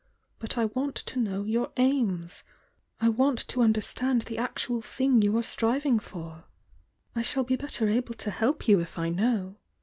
But I want to know your aims— 1 want to understand the actual thing you are striving for. I shall be better able to help you if I know.